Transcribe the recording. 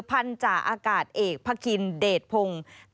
พันธาอากาศเอกพระคินเดชพงศ์